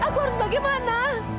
aku harus bagaimana